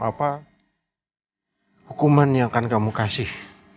apa hukuman yang akan kamu kasih